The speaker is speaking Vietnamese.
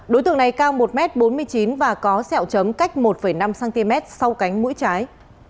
đối tượng này cao một m bốn mươi chín và có sẹo chấm cách một năm cm sau cánh mũi trái